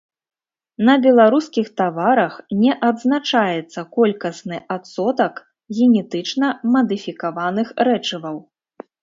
На беларускіх таварах не адзначаецца колькасны адсотак генетычна мадыфікаваных рэчываў.